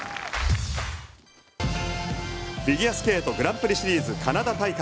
フィギュアスケートグランプリシリーズカナダ大会。